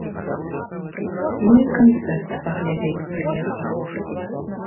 Ну і канцэрт паглядзець прыехаў.